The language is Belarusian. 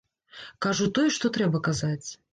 Кажу тое, што трэба казаць.